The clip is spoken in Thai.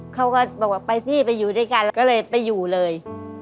เขาก็บอกว่าไปสิไปอยู่ด้วยกันแล้วก็เลยไปอยู่เลย